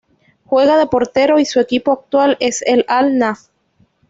Juega de portero y su equipo actual es el Al-Naft.